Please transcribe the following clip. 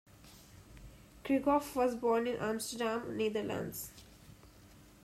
Krieghoff was born in Amsterdam, Netherlands.